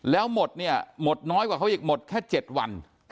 แล้วหมดเนี่ยหมดน้อยกว่าเขาอีกหมดแค่๗วัน